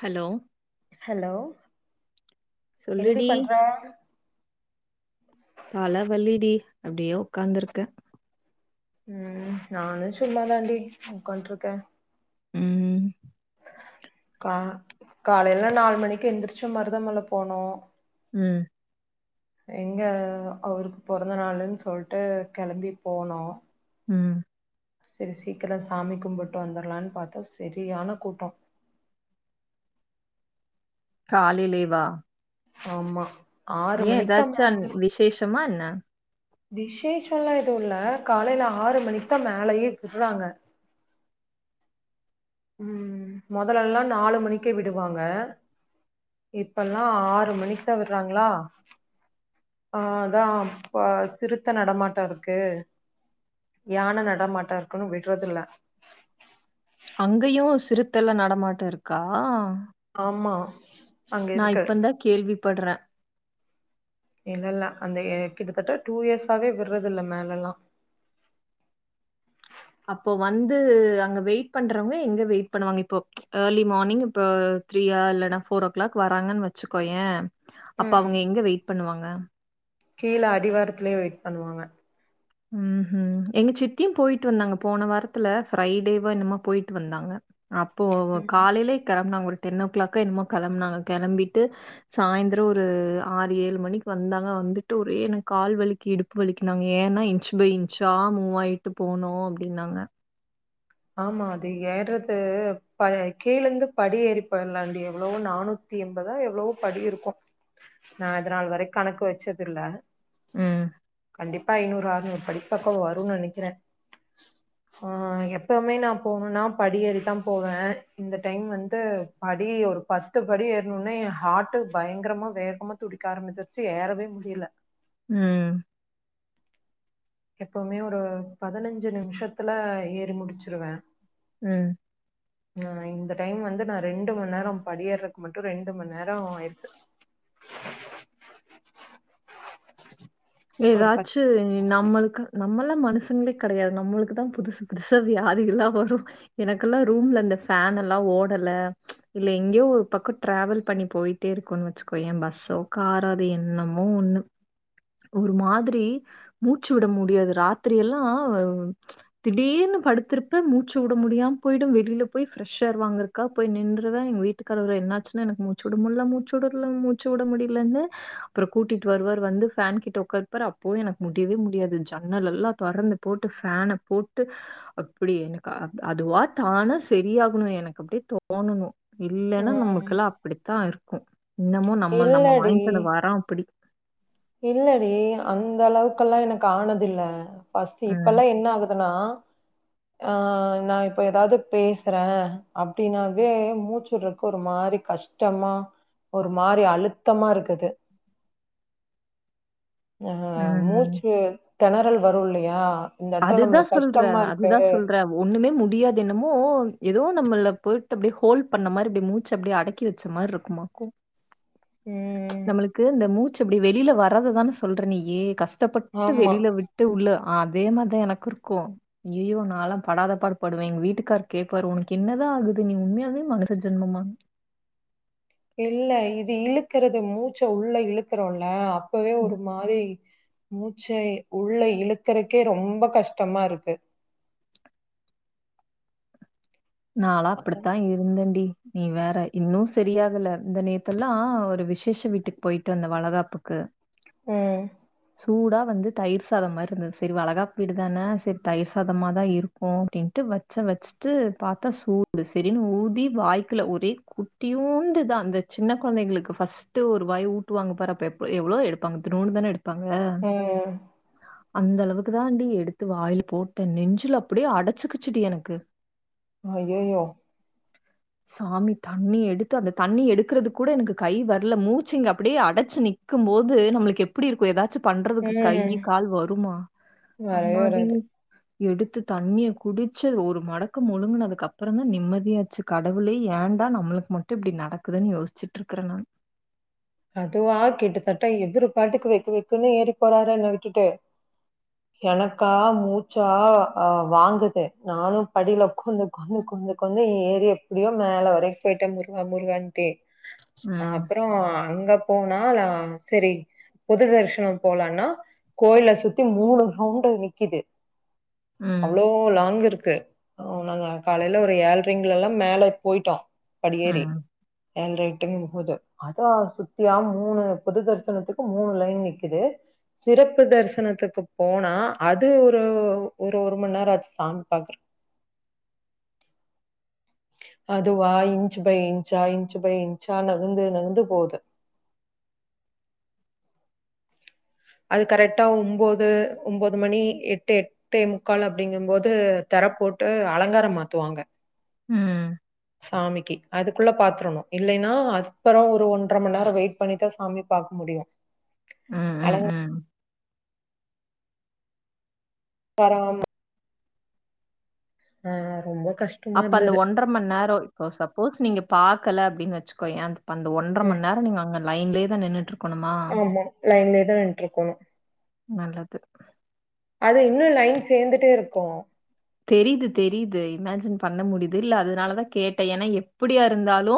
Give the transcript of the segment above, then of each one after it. Hello hello என்னடி சொல்லுடி பண்ற தலவலிடி அப்டியே ஒக்காந்துருக்கே ம் நானு சும்மா தாண்டி உக்காண்ட்ருக்கே ம் கா காலைல நாலு மணிக்கு எந்திரிச்சி மருதமல போணு ம் எங்க அவருக்கு பொறந்த நாளுன் சொல்ட்டு கெளம்பி போனோ ம் செரி சீக்கர சாமி கும்புட்டு வந்துரலான்னு பாத்தோ சரியான கூட்டோ காலைலேவா ஆமா ஆறு மணிக்தா ஏதாச்சும் அன்- [unintelligible] விசேஷமா என்ன விசேஷம்ல்லா எதும் இல்ல காலைல ஆறு மணிக்கு தா மேலயே விடுறாங்க ம் மொதல்லல்லா நாலு மணிக்கே விடுவாங்க இப்பல்லா ஆறு மணிக்கு தா விடுறாய்ங்களா ஆ அதான் இப்ப சிறுத்த நடமாட்டோ இருக்கு யான நடமாட்டோ இருக்குனு விடுறதுல்ல அங்கயு சிறுத்தல்லா நடமாட்ட இருக்கா ஆமா அங்க நா இருக்கு இப்பந்தா கேள்விபடுறே இல்ல இல்ல அந்த எ கிட்டத்தட்ட டூ இயர்ஸாவே விடுறதுல்ல மேலல்லா அப்போ வந்து அங்க வெயிட் பண்றவங்க எங்க வெயிட் பண்ணுவாங்க இப்போ ஏர்லி மார்னிங் இப்போ த்ரீயா இல்லன்னா ஃபோர் ஓ கிளாக் வராங்கன் வச்சுக்கோயே அப்போ அவுங்க எங்க வெயிட் பண்ணுவாங்க கீல அடிவாரத்துலயே வெயிட் பண்ணுவாங்க ம் ம் எங்க சித்தியு போயிட்டு வந்தாங்க போன வாரத்துல ஃரைடேவா என்னமோ போயிட்டு வந்தாங்க அப்போ காலைலயே கெளம்புனாங்க ஒரு டென் ஓ க்ளாக்கா என்னமோ கெளம்புனாங்க கெளம்பிட்டு சாயந்தர ஒரு ஆறு ஏலு மணிக்கு வந்தாங்க வந்துட்டு ஒரே எனக்கு கால்வலிக்கு இடுப் வலிக்கின்னாங்க ஏன்னா இன்ச்ஃபை இன்ச்சா மூவ் ஆகிட்டு போனோம் அப்படின்னாங்க ஆமா அது ஏறது ப கீழருந்து படி ஏறி [unintelligible] எவ்வளோ நானூத் தி எம்பதோ எவ்வளவோ படி இருக்கு நா இதனாள் வரை கணக்கு வச்சதில்ல ம் கண்டிப்பா ஐநூறு ஆறுநூரு படிப்பக்கம் வருன்னு நெனைக்கிறே ஆ எப்போவுமே நா போனுன்னா படி ஏறி தா போவே இந்த டைம் வந்து படி ஒரு பத் து படி ஏறுனோனே ஏ ஹார்ட்டு பயங்கரமா வேகமா துடிக்க ஆரம்பிச்சிருச்சு ஏறவே முடியல ம் எப்பவுமே ஒரு பதினஞ்சு நிமிஷத்துல ஏறி முடிச்சிருவே ம் ஆ இந்த டைம் வந்து நா ரெண்டுமண் நேரோ படி ஏறுறதுக்கு மட்டும் ரெண்டுமண் நேரோ ஆயிடுத்து ஒரு பத் ஏதாச்சு நம்மளுக்கு நம்மலாம் மனுசங்களே கெடயாது நம்மளுக்கு தா புதுசு புதுசா வியாதி எல்லா வரும் எனக்கெல்லா ரூம்ல இந்த ஃபேன் எல்லா ஓடல இல்ல எங்கேயோ ஒரு பக்கம் டிராவல் பண்ணி போய் ட்டே இருக்கோன்னு வச்சுக்கோயே பஸ்ஸோ காரோ அது என்னமோ ஒன்னு ஒரு மாதிரி மூச்சு விட முடியாது ராத்திரி எல்லா திடீர்னு படுத்திருப்ப மூச்சு விட முடியாம போயிடும் வெளியில போய் ஃப்ரெஷ்ஷர் வாங் க்கா போய்னின்றுவே எங் வீட்டுக்கார என்னாச்சுன்னு எனக்கு மூச்சு விட முடில மூச்சுடமுடில மூச்சி வுட முடியலன்னு அப்பறோ கூட்டிட்டு வருவார் வந்து ஃபேன் கிட்ட ஒக்காந்து ருப்பஅப்பவு எனக்கு முடியவே முடியாது ஜன்னலெல்லாம் தொறந்து போட்டு ஃபேன போட்டு அப்படி எனக்கு அதுவா தானா சரியாகணு எனக்கு அப்டியே தோணணு இல்லன்னா ம் நமக்கெல்லா அப்படித்தா இருக்கு இன்னமு நம்ம நம்ம இல்லடி வாங்கிவந்த வரோ அப்படி இல்லடி அந்த அளவுக்கெல்லா எனக்கு ஆனதுல்ல பஸ்ட் ம். இப்பல்லா என்ன ஆகுதுன்னா ஆ நா இப்ப ஏதாவது பேசுறே அப்டினாவே மூச்சுடறப்பொ ஒரு மாரி கஷ் டமா ஒரு மாரி அளுத்தமா இருக்குது ஆ ம். மூச்சு தெணறல் வரு இல்லையா இந்த இடத்துல அதுதா நம்மளுக்கு சொல்றே கஷ்டமா இருக்கு. அதுதா சொல்றே ஒண்ணுமே முடியாது என்னமோ ஏதோ நம்மள போயிட்டு அப்படி ஹோல் பண்ண மாதிரி அப்படி மூச்சு அப்படி அடக்கி வச்ச மாரி இருக்கு மக்கும் ம். நம்மளுக்கு இந்த மூச்சு இப்படி வெளியில வர்றதுதான சொல்றே நீ யி கஷ் டப்பட்டு ஆமா. வெளியில விட்டு உள்ள அதே மாரிதா எனக்கு இருக்கும் ஐயயோ நான்லா படாதபாடுபடுவெ எங்க வீட்டுக்கார் கேட்பாரு உனக்கு என்னதா ஆகுது நீ உண்மையாவே மனுச ஜென்மமா இல்ல இது இலுக்குறது மூச்ச உள்ள இலுக்கறோல்ல அப்பவே ஒரு ம். மாரி மூச்சை உள்ள இழுக்கறக்கே ரொம்ப கஷ்டமா இருக்கு நாளா அப்படித்தா இருந்தேண்டி நீ வேற இன்னும் சரியாகல இந்த நேத்தெல்லா ஒரு விசேஷ வீட்டுக்கு பொயிட்டு வந்த வளகாப்புக்கு ம். சூடா வந்து தயிர் சாதம் மாரி இருந்தது சரி வளகாப்பு வீடு தான சரி தயிர் சாதமா தா இருக்கு அப்படின்ட்டு வச்ச வச்சுட்டு பாத்தா சூடு சரின்னு ஊதி வாய்க்குல்ல ஒரே குட்டியோண்டு தா அந்த சின்ன கொழந்தைங்களுக்கு ஃபர்ஸ்ட் டு ஒரு வாய் ஊட்டுவாங்க பாரு அப்ப எ எவ்வளோ எடுப்பாங்க இத்துனூண்டுதான எடுப்பாங்க ம். அந்த அளவுக்கு தான்டி எடுத்து வாயில போட்ட நெஞ்சில அப்படியே அடச்சிக்கிச்சுடி எனக்கு அய்யயோ சாமி தண்ணி எடுத்து அந்த தண்ணி எடுக்கறது கூட எனக்கு கை வரல மூச்சு இங்க அப்படியே அடச்சு நிக் க்கும் போது நம்மளுக்கு எப்படி இருக்கும் ஏதாச்சும் பண்றதுக்கு ம். கைய் கால் வருமா வரவே அம்மாடி வராது. எடுத்து தண்ணிய குடிச்சு ஒரு மடக்கு மு முழுங்குனதுக்கப்பறந்தா நிம்மதியாச்சு கடவுளே ஏன்டா நம்மளுக்கு மட்டு இப்டி நடக்குதுன்னு யோசிச்சிட்டுருக்கறே நான் அதுவா கிட்ட தட்டா இவ்ரு பாட்டுக்கு வெக்கு வெக்குன்னு ஏறி போறாரு என்ன விட்டுட்டு எனக்கா மூச்சா ஆ வாங்குது நானு படில உக்காந்து நானு கொஞ்சொ கொஞ்சொ ஏறி எப்டியோ மேல வரைக்கும் போயிட்ட முருகா முருகான்ட்டே ம், அப்பறோ அங்க போனாலா சரி பொது தரிசனோ போலான்னா கோவில சுத்தி மூணு ரவுண்டு நிக்குது ம், அவ்ளோ லாங் இருக்கு ஆ நாங்க காலைல ஒரு ஏழ்ரைங்கலல்லா மேல போயிட்டோ படியேறி ம், ஏழ்ற எட்டுங்கும்போது அதா சுத்தியா மூணு பொது தரிசனத்துக்கு மூணு லைன் நிக்குது சிறப்பு தரிசனத்துக்கு போனா அது ஒரு ஒரு ஒருமண் நேரொ ஆச்சு சாமி பாக்குறக் அதுவா இன்ச் பை இன்ச்சா இன்ச் பை இன்ச்சா நகந்து நகந்து போவுது அது கரெக்டா ஒம்போது ஒம்போது மணி எட்டு எ ட்டே முக்கால் அப்டிங்கும் போது தெர போட்டு அலங்காரம் மாத்துவாங்க ம் சாமிக்கி அதுக்குள்ளே பாத்ரனு இல்லைனா அதுப்பெறவு ஒரு ஒன்ற மண் நேரோ வெயிட் பண்ணி தா சாமி பாக்க முடியு ம், ம், அலங் ம். காரோம் ஆ ரொம்ப கஷ் அப்ப அந்த ஒன்ற மண் நேரோ இப்போ சப்போஸ் நீங்க பாக்கல அப்டின்னு வச்சுக்கோயே அந்த அப்ப அந்த ஒன்ற ம். மண் நேரோ நீங்க அங்க லைன்லயேதா நின்னுட்டுருக்கணுமா ஆமா லைன்லேதா நின்னுட்டுருக்கணு நல்லது அது இன்னு லைன் சேந்துட்டே இருக்கு தெரிது தெரிது இமேஜின் பண்ண முடியுது இல்ல அதனாலதா கேட்டே ஏனா எப்படியா இருந்தாலு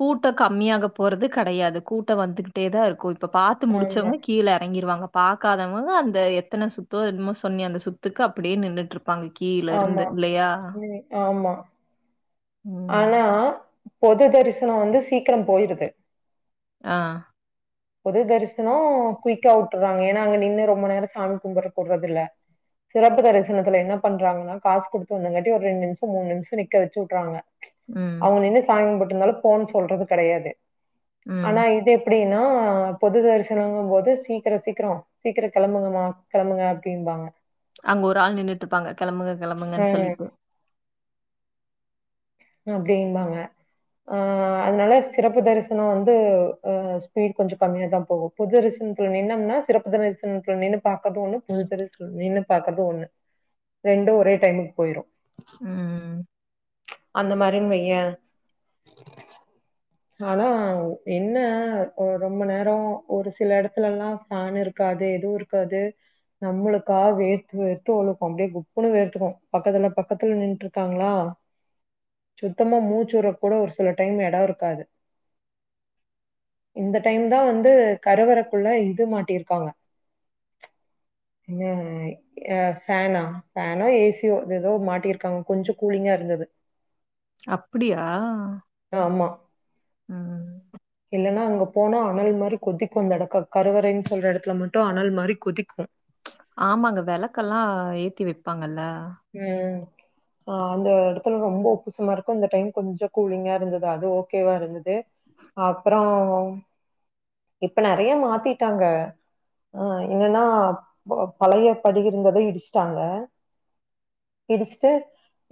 கூட்டோ கம்மியாக போறது கெடையாது கூட்டோ வந்துக்கிட்டேதா இருக்கு இப்ப பாத்து ஆமா, முடிச்சவங்க கீழே எறங்கிருவாங்க பாக்காதவங்க அந்த எத்தன சுத்தோ என்னமோ சொன்னியே அந்த சுத்துக்கு அப்படியே நின்னுட்டு இருப்பாங்க கீழருந்து இல்லையா எ ஆமா ம். ஆனா பொது தரிசனோ வந்து சீக்கிரம் போயிருது ஆ பொது தரிசனோ குயிக்கா வுட்டுறாங்க ஏனா அங்க நின்னு ரொம்ப நேரோ சாமி கும்புடுறக்கு உடுறதுல்ல சிறப்பு தரிசனத்துல என்ன பண்றாங்கன்னா காசு குடுத்து வந்தங்காட்டி ஒரு ரெண்டு நிமிஷோ மூணு நிமிஷோ நிக்க வச்சு வுட்டுறாங்க ம். அவங்க நின்னு சாமி கும்புட்டு இருந்தாலு போன்னு சொல்றது கெடையாது ம். ஆனா இது எப்டி ன்னா பொது தரிசனங்கம் போது சீக்கிரோ சீக்கரோ சீக்கிரம் கெளம்புங்கமா கெளம்புங்க அப்டிம்பாங்க அங்க ஒரு ஆள் நின்னுட்டு இருப்பாங்க கெளம்புங்க கெளம்புங்கன்னு ம். சொல்லிட்டு அப்டிம்பாங்க ஆ அதனால சிறப்பு தரிசனோ வந்து ஆ ஸ்பீட் கொஞ்சொ கம்மியாதா போகு பொது தரிசனத்துல நின்னம்னா சிறப்பு தரிசனத்துல நின்னு பாக்கறது ஒன்னு பொது தரிசன நின்னு பாக்குறது ஒன்னு ரெண்டு ஒரே டைமுக்கு போயிரு ம் ம் அந்த மாரின் வையே ஆனா என்ன ஒ ரொம்ப நேரோ ஒரு சில எடத்துலல்லா ஃபேன் இரு க்காது எது இருக்காது நம்மளுக்கா வேர்த்து வேர்த்து ஒழுகு அப்டியே குப்புன்னு வேர்த்துரு பக்கத்துல பக்கத்துல நின்ட்ருக்காங்களா சுத்தமா மூச்சு வுறக்கூட ஒரு சில டைம் எடோருக்காது இந்த டைம் தா வந்து கருவறக்குள்ள இது மாட்டிருக்காங்க ஏய் ஏ ஃபேனா ஃபேனோ ஏசியோ தெதோ மாட்டியிருக்காங்க கொஞ்சோ கூலிங்காருந்தது அப்பிடியா ஆமா இல்லைன்னா அங்க போனா அனல் மாரி கொதிக்கு இந்த எடக்க கருவறைன் சொல்ற எடத்துல மட்டு அனல் மாரி கொதிக்கு ஆமாங்க வெளக்கல்லா ஏத்தி வெப்பாங்கல்ல ம் ஆ அந்த எடத்துல ரொம்ப உப்புசமாருக்கு இந்த டைம் கொஞ்சோ கூலிங்காருந்தது அது ஓகேவாருந்தது அப்றோ இப்ப நறையா மாத்திட்டாங்க ஆ என்னன்னா ப பழைய படி இருந்தத இடிச்ட்டாங்க இடிச்ட்டு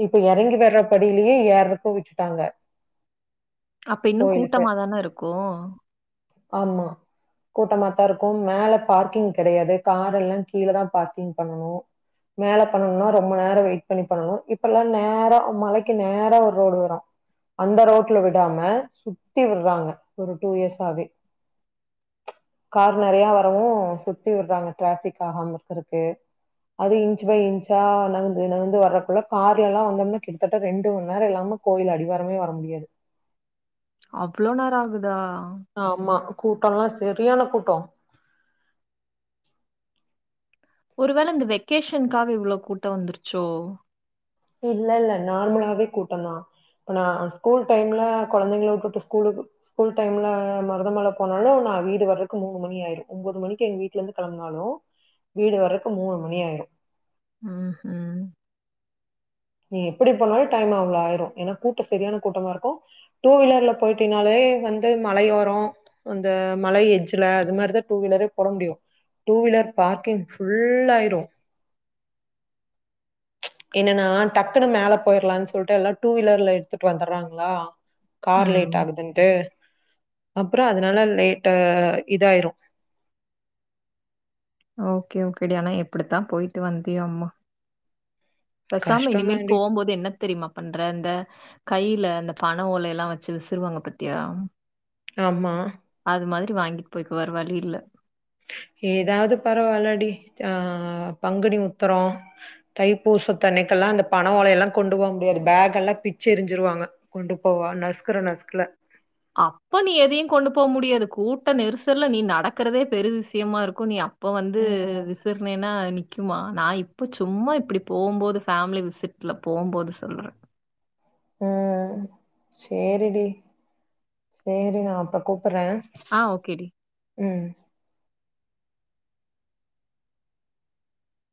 இப்ப எறங்கி வர்ற படிலியே ஏறக்கு விட்டுடாங்க அப்ப இன்னு கூட்டமாதானே இருக்கு ஆமா கூட்டமாத்தாருக்கு மேல பார்க்கிங் கெடயாது கார் எல்லா கீழ தா பார்க்கிங் பண்ணனு மேல பண்ணணுனா ரொம்ப நேரோ வெயிட் பண்ணி பண்ணனு இப்பல்லா நேரா மலைக்கு நேரா ஒரு ரோடு வரு அந்த ரோட்ல விடாம சுத்தி விட்றாங்க ஒரு டூ இயர்ஸ்சாவே கார் நறையா வரவு சுத்தி விட்றாங்க டிராஃபிக் ஆகாம இருக்கறக்கு அது இன்ச் பை இன்ச்சா நகந்து நகந்து வர்றக்குள்ள கார்லல்லா வந்தம்னா கிட்டத்தட்ட ரெண்டு மண் நேரோ இல்லாம கோவில் அடிவாரமே வர முடியாது அவ்ளோ நேரோ ஆகுதா ஆமா கூட்டோல்லா செரியான கூட்டோ ஒருவேள இந்த வெக்கேஷன்க்காக இவ்ளோ கூட்டோ வந்துருச்சோ இல்லெல்ல நார்மலாவே கூட்டோந்தா இப்ப நா ஸ்கூல் டைம்ல கொழந்தைங்கள வுட்டுட்டு ஸ்கூலு ஸ்கூல் டைம்ல மருதமல போனாலு நா வீடு வர்றக்கு மூணு மணி ஆயிரு ஒம்போது மணிக்கு எங்வீட்லந்து கெளம்புனாலு வீடு வர்றக்கு மூணு மணி ஆயிரு ம் ஹும் நீ எப்டி போனாலு டைம் அவ்ளோ ஆயிரு ஏனா கூட்டோ செரியான கூட்டமாருக்கு டூ வீலர்ல போய்ட்டீனாலே வந்து மலையோரோ அந்த மல எஜ்ஜுல அது மாத்ரிதா டூ வீலரே போட முடியு டூ வீலர் பார்க்கிங் ஃபுல்லாயிரு என்னன்னா டக்குன்னு மேல போய்ர்லான் சொல்ட்டு எல்லா டூ வீலர்ல எத்துட்டு வந்தர்றாங்களா கார் ம். லேட்டாகுதுன்ட்டு அப்றோ அதனால லேட்டு இதாயிரு ஓகே ஓகே டி ஆனா எப்டித்தா போய்ட்டு வந்தியோம்மா பேசாம கஷ்டம் இனிமேல் தான்டி. போம்போது என்ன தெரிமா பண்ற இந்த கைல இந்த பன ஓலைல்லா வச்சு விசுருவாங்க பாத்தியா ஆமா அது மாதிரி வாங்கிட்டு போய்க்க வேற வழி இல்ல ஏதாவ்து பரவால்ல டி அ பங்குனி உத்தரோ தைப்பூச தண்ணிக்கெல்லா அந்த பண ஓலைய எல்லா கொண்டு போக முடியாது பேக் எல்லா பிச்சு எரிஞ்சிருவாங்க கொண்டு போவா நஸ்கற நஸ்கில அப்ப நீ எதையு கொண்டு போக முடியாது கூட்ட நெரிசல்ல நீ நடக்கிறதே பெரு விஷயமா இருக்கு நீ அப் இப்போ வந்து ம். விஷ் துர்னேன்னா அது நிக்குமா நா இப்ப சும்மா இப்டி போம்போது ஃபேமிலி விசிட்ல போம்போது சொல்ற ம் சேரி டி சேரி நா அப்பறோ கூப்பிறே ஆ ஓகே டி ம்